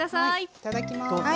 いただきます。